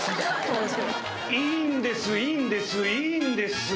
いいんですいいんですいいんです！